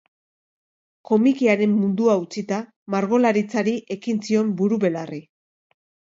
Komikiaren mundua utzita, margolaritzari ekin zion buru-belarri.